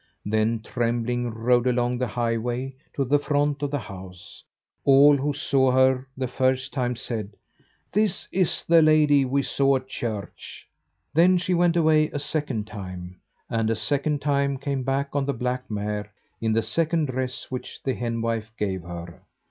Then Trembling rode along the highway to the front of the house. All who saw her the first time said: "This is the lady we saw at church." Then she went away a second time, and a second time came back on the black mare in the second dress which the henwife gave her.